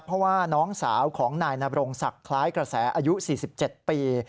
เพราะว่าน้องสาวของนายนบรงศักดิ์คล้ายกระแสอายุ๔๗ปี